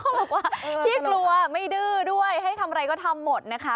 บอกว่าขี้กลัวไม่ดื้อด้วยให้ทำอะไรก็ทำหมดนะคะ